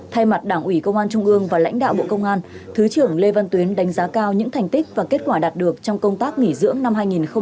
thay mặt đảng ủy công an trung ương và lãnh đạo bộ công an thứ trưởng lê văn tuyến đánh giá cao những thành tích và kết quả đạt được trong công tác nghỉ dưỡng năm hai nghìn hai mươi ba